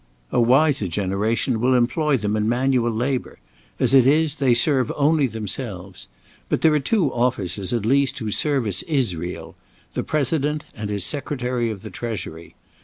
A wiser generation will employ them in manual labour; as it is, they serve only themselves. But there are two officers, at least, whose service is real the President and his Secretary of the Treasury.